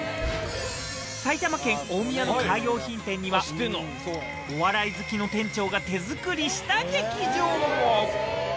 埼玉県大宮のカー用品店には、お笑い好きの店長が手作りした劇場も。